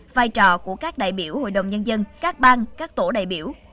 vai trò của các đại biểu hội đồng nhân dân các bang các tổ đại biểu